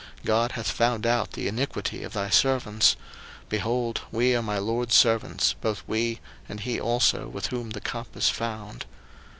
God hath found out the iniquity of thy servants: behold, we are my lord's servants, both we, and he also with whom the cup is found.